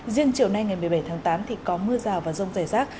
riêng chiều nay ngày một mươi bảy tháng tám thì có mưa rào và rông rải rác